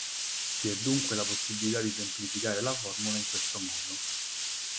Vi è dunque la possibilità di semplificare la formula in questo modo.